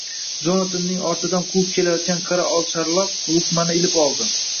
Jonatanning ortidan quvib kelayotgan qari oqcharloq luqmani ilib oldi.